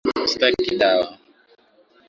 Sitaki dawa